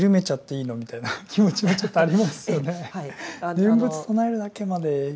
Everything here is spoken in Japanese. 念仏唱えるだけまでいくんだ。